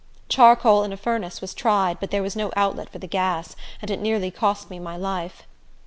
Charcoal in a furnace was tried, but there was no outlet for the gas, and it nearly cost me my life.